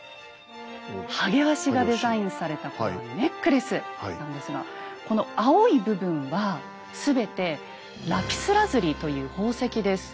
ハゲワシがデザインされたこのネックレスなんですがこの青い部分は全てラピスラズリという宝石です。